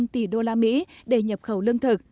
ba mươi năm tỷ đô la mỹ để nhập khẩu lương thực